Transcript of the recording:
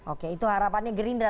oke itu harapannya gerindra